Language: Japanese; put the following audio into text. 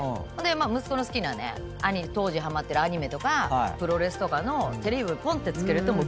息子の好きなね当時ハマってるアニメとかプロレスとかのテレビをぽんってつけるとぶわって起きるんで。